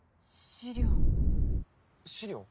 資料？